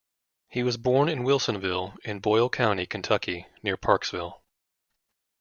He was born in Wilsonville, in Boyle County, Kentucky, near Parksville.